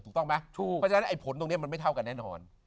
ถูกต้องไหมถูกไอ้ผลตรงนี้มันไม่เท่ากันแน่นอน